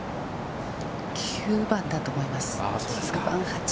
９番だと思います。